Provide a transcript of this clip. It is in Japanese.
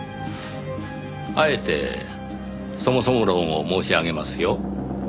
あえてそもそも論を申し上げますよ。